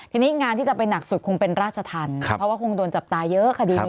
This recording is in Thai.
ทีนี้งานที่จะไปหนักสุดคงเป็นราชธรรมเพราะว่าคงโดนจับตาเยอะคดีนี้